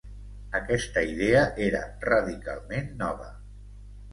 Aquesta idea era radicalment nova.